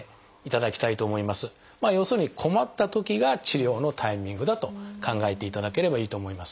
要するに困ったときが治療のタイミングだと考えていただければいいと思います。